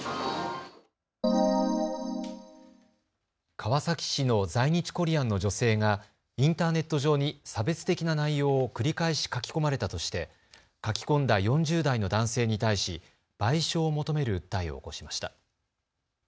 川崎市の在日コリアンの女性がインターネット上に差別的な内容を繰り返し書き込まれたとして書き込んだ４０代の男性に対し賠償を求める訴えを起こしました。